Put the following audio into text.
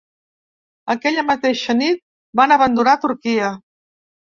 Aquella mateixa nit van abandonar Turquia.